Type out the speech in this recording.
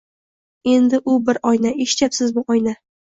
— Ena, u bir oyna, eshityapsizmi, oyna!